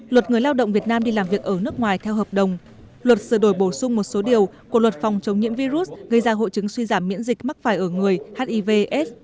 luật người lao động việt nam đi làm việc ở nước ngoài theo hợp đồng luật sửa đổi bổ sung một số điều của luật phòng chống nhiễm virus gây ra hội chứng suy giảm miễn dịch mắc phải ở người hivs